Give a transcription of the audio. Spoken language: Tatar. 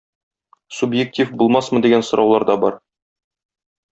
Субъектив булмасмы дигән сораулар да бар.